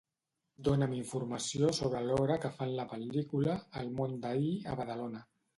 Dona'm informació sobre l'hora que fan la pel·lícula "El món d'ahir" a Badalona.